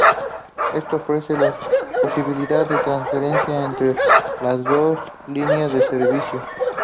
Esto ofrece la posibilidad de transferencia entre las dos líneas de servicio.